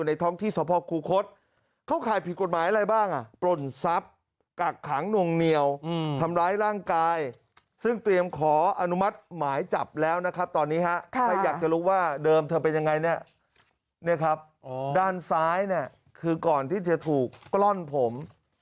เนี่ยครับด้านซ้ายเนี่ยคือก่อนที่จะถูกกล้อนผม